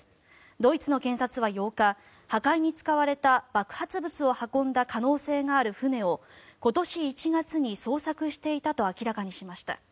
ドイツの検察は８日破壊に使われた爆発物を運んだ可能性がある船を今年１月に捜索していたと明らかにしました。